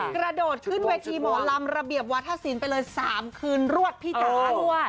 กระโดดขึ้นเวทีหมอลำระเบียบวัฒนศิลป์ไปเลย๓คืนรวดพี่จ๋า